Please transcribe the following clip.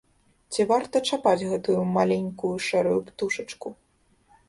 Ці варта чапаць гэту маленькую шэрую птушачку?